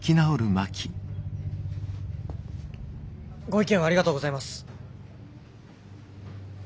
ご意見をありがとうございます。